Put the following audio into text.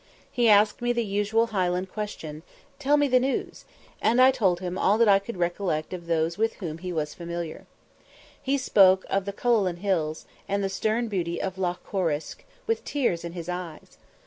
He asked me the usual Highland question, "Tell me the news;" and I told him all that I could recollect of those with whom he was familiar. He spoke of the Cuchullin Hills, and the stern beauty of Loch Corruisk, with tears in his eyes.